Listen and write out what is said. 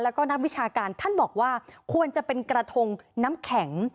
แล้วก็นักวิชาการท่านบอกว่าควรจะเป็นกระทงน้ำแข็ง